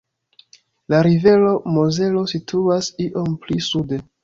La rivero Mozelo situas iom pli sude.